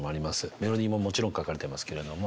メロディーももちろん書かれてますけれども。